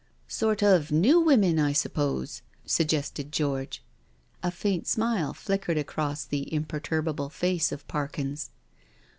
" Sort of Noo Women, I suppose?" suggested George. A faint smile flickered across the imperturable face of Parkins.